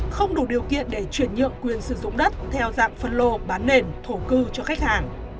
không đủ điều kiện để chuyển nhượng quyền sử dụng đất theo dạng phân lô bán nền thổ cư cho khách hàng